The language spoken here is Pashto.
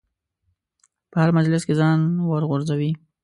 په هر مجلس ځان ورغورځوي.